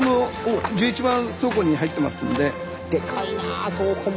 でかいな倉庫も。